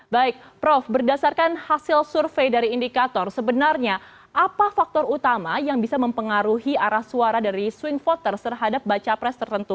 baik prof berdasarkan hasil survei dari indikator sebenarnya apa faktor utama yang bisa mempengaruhi arah suara dari swing voters terhadap baca pres tertentu